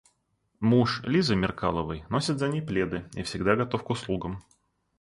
Муж Лизы Меркаловой носит за ней пледы и всегда готов к услугам.